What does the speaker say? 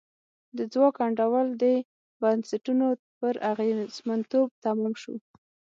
د ځواک انډول د بنسټونو پر اغېزمنتوب تمام شو.